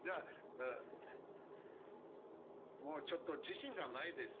もう、ちょっと自信がないです。